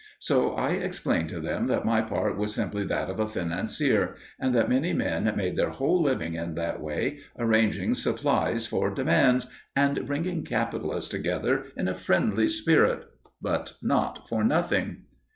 So I explained to them that my part was simply that of a financier, and that many men made their whole living in that way, arranging supplies for demands and bringing capitalists together in a friendly spirit. But not for nothing.